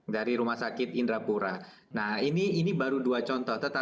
dari rumah sakit lapangan